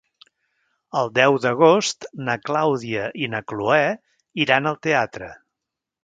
El deu d'agost na Clàudia i na Cloè iran al teatre.